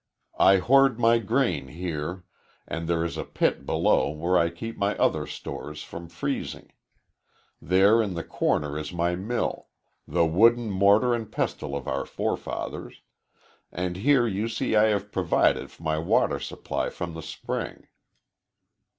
I hoard my grain here, and there is a pit below where I keep my other stores from freezing. There in the corner is my mill the wooden mortar and pestle of our forefathers and here you see I have provided for my water supply from the spring.